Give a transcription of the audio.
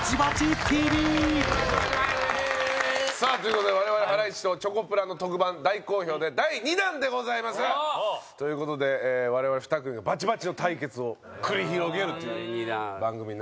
さあという事で我々ハライチとチョコプラの特番大好評で第２弾でございます。という事で我々２組がバチバチの対決を繰り広げるという番組になってますけど。